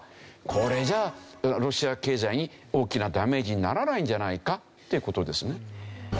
これじゃあロシア経済に大きなダメージにならないんじゃないかって事ですね。